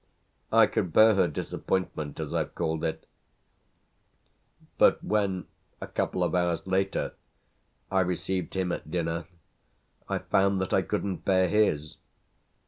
I could bear her disappointment as I've called it; but when a couple of hours later I received him at dinner I found that I couldn't bear his.